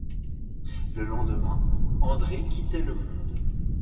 Le lendemain, André quittait le monde.